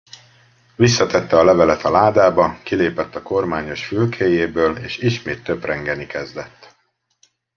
Visszatette a levelet a ládába, kilépett a kormányos fülkéjéből, és ismét töprengeni kezdett.